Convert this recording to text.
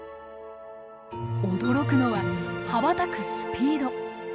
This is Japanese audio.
驚くのは羽ばたくスピード。